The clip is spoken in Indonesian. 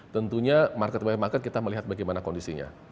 tentunya market by market kita melihat bagaimana kondisinya